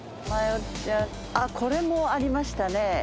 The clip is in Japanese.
あっこれもありましたね。